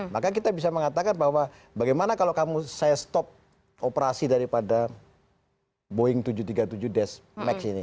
maka kita bisa mengatakan bahwa bagaimana kalau kamu saya stop operasi daripada boeing tujuh ratus tiga puluh tujuh des max ini